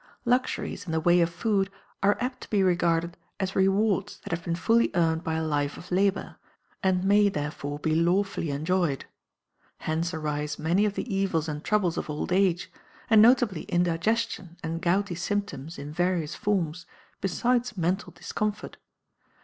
Luxuries in the way of food are apt to be regarded as rewards that have been fully earned by a life of labour, and may, therefore, be lawfully enjoyed. Hence arise many of the evils and troubles of old age, and notably indigestion and gouty symptoms in various forms, besides mental discomfort.